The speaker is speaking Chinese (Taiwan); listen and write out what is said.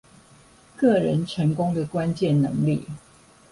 個人成功的關鍵能力